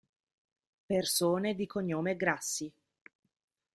Persone di cognome Grassi